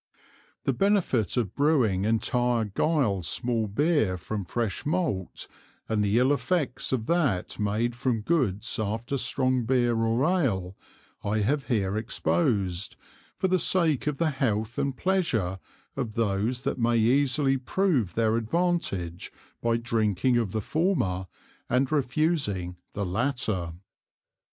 The Benefit of Brewing entire Guile small Beer from fresh Malt, and the ill Effects of that made from Goods after strong Beer or Ale; I have here exposed, for the sake of the Health and Pleasure of those that may easily prove their advantage by drinking of the former and refusing the latter.